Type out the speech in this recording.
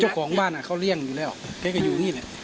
เจ้าของบ้านเขาเลี่ยงอยู่แล้วแกก็อยู่นี่แหละ